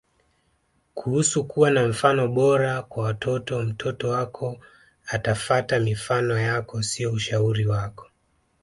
Kuhusu kuwa mfano bora kwa watoto Mtoto wako atafata mifano yako sio ushauri wako